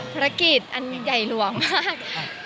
ภารกิจอันใหญ่หลวงมาก